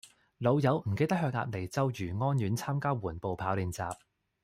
老友唔記得去鴨脷洲漁安苑道參加緩步跑練習